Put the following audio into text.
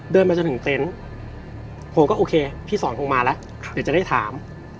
มาจนถึงเต็นต์ผมก็โอเคพี่สอนคงมาแล้วเดี๋ยวจะได้ถาม